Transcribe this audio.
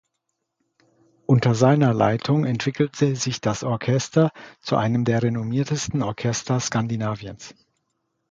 Unter seiner Leitung entwickelte sich das Orchester zu einem der renommiertesten Orchester Skandinaviens.